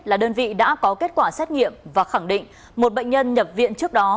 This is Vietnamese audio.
là đơn vị đã có kết quả xét nghiệm và khẳng định một bệnh nhân nhập viện trước đó